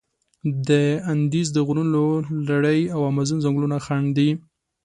د اندیز د غرونو لړي او امازون ځنګلونه خنډ دي.